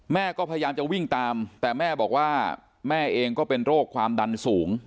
แม่ก็พยายามจะวิ่งตามแต่แม่บอกว่าแม่เองก็เป็นโรคความดันสูง